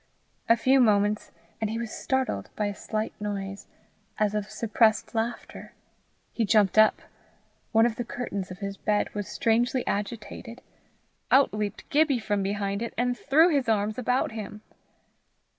A few moments and he was startled by a slight noise, as of suppressed laughter. He jumped up. One of the curtains of his bed was strangely agitated. Out leaped Gibbie from behind it, and threw his arms about him.